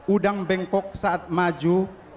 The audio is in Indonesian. udang bengkok saat maju